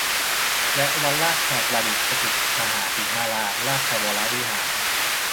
และวัดราชประดิษฐสถิตมหาสีมารามราชวรวิหาร